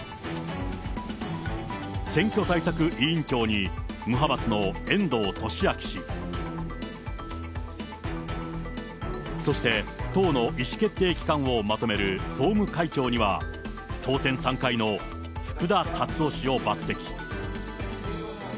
選挙対策委員長に無派閥の遠藤利明氏、そして、党の意思決定機関をまとめる総務会長には、当選３回の福田達夫氏を抜てき。